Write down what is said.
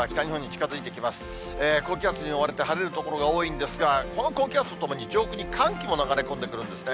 高気圧に覆われて晴れる所が多いんですが、この高気圧とともに上空に寒気も流れ込んでくるんですね。